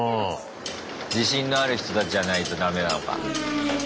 自信のある人たちじゃないとダメなのか。